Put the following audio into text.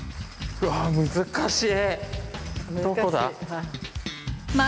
うわ難しい。